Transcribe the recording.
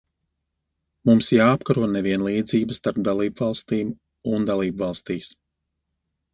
Mums jāapkaro nevienlīdzība starp dalībvalstīm un dalībvalstīs.